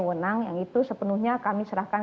wewenang yang itu sepenuhnya kami serahkan